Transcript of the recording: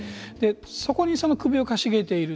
そこに首をかしげている。